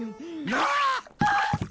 あっ！